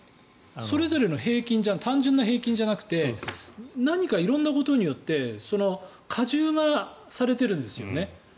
それぞれの単純な平均じゃなくて何か色んなことによって加重がされてるんですよね。